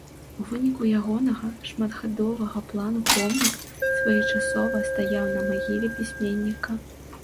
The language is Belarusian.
У выніку ягонага шматхадовага плану помнік своечасова стаяў на магіле пісьменніка.